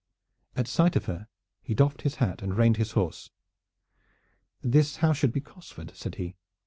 At sight of her he doffed his hat and reined his horse. "This house should be Cosford," said he.